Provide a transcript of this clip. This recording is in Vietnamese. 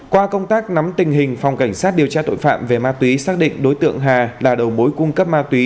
qua công tác nắm tình hình phòng cảnh sát điều tra tội phạm về ma túy xác định đối tượng hà là đầu mối cung cấp ma túy